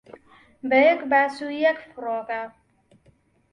بە یەک باس و یەک فڕۆکە